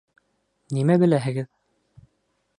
Нимә беләһегеҙ?